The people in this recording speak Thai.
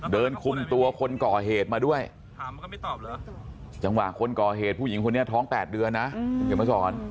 เดินคุมตัวคนก่อเหตุมาด้วยจังหวะคนก่อเหตุผู้หญิงคนนี้ท้อง๘เดือนนะ